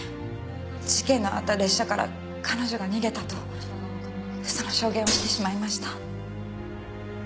事件のあった列車から彼女が逃げたと嘘の証言をしてしまいました。